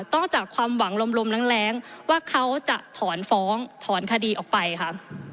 จากความหวังลมแรงว่าเขาจะถอนฟ้องถอนคดีออกไปค่ะ